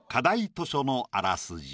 図書のあらすじ」。